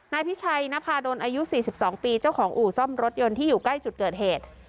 นายพิชัยนภาดลอายุ๔๒ปีเจ้าของอู่ซ่อมรถยนต์ที่อยู่ใกล้จุดเกิดเหตุ